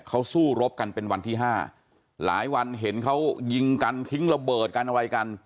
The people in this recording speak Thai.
เขาสู้รบกันเป็นวันที่ห้าหลายวันเห็นเขายิงกันทิ้งระเบิดกันอะไรกัน